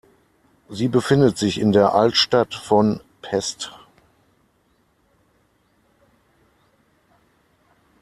Sie befindet sich in der Altstadt von Pest.